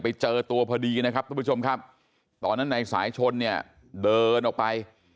ไปเจอตัวพอดีนะครับทุกผู้ชมครับตอนนั้นในสายชนเนี่ยเดินออกไป